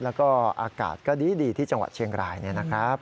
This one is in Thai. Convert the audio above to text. แล้วก็อากาศก็ดีที่จังหวัดเชียงรายเนี่ยนะครับ